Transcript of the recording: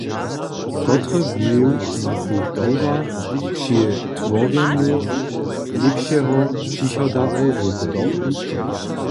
Kotry wliw ma kultura při tworjenju lěpšeho přichoda Europy?